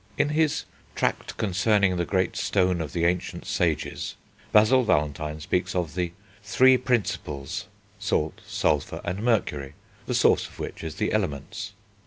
In his Tract Concerning the Great Stone of the Ancient Sages, Basil Valentine speaks of the "three Principles," salt, sulphur, and mercury, the source of which is the Elements.